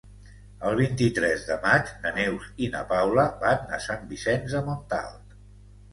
El vint-i-tres de maig na Neus i na Paula van a Sant Vicenç de Montalt.